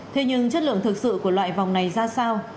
thế nhưng chất lượng thực sự của loại vòng này ra sao